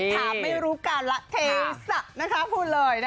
ถามไม่รู้การละเทศะนะคะพูดเลย